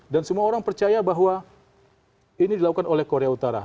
dan semua orang percaya bahwa ini dilakukan oleh korea utara